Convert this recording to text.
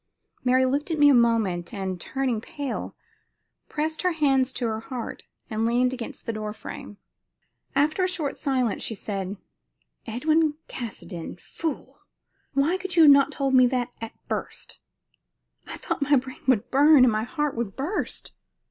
Mary looked at me a moment, and, turning pale, pressed her hands to her heart and leaned against the door frame. After a short silence she said: "Edwin Caskoden fool! Why could you not have told me that at first? I thought my brain would burn and my heart burst."